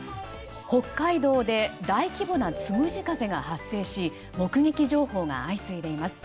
北海道で大規模なつむじ風が発生し目撃情報が相次いでいます。